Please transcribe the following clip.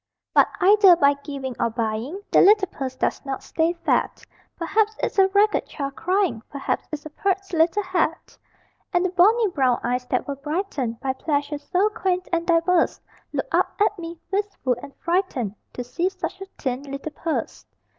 But either by giving or buying, The little purse does not stay fat Perhaps it's a ragged child crying, Perhaps it's a "pert little hat." And the bonny brown eyes that were brightened By pleasures so quaint and diverse, Look up at me, wistful and frightened, To see such a thin little purse.